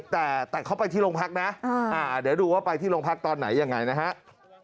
แต่เขาไปที่โรงพักนะเดี๋ยวดูว่าไปที่โรงพักตอนไหนยังไงนะฮะ